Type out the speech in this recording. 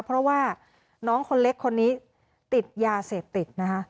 เพราะว่าน้องคนเล็กคนนี้ติดยาเสพติดนะคะ